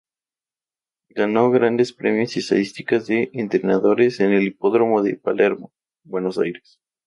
Ganó grandes premios y estadísticas de entrenadores en el Hipódromo de Palermo, Buenos Aires.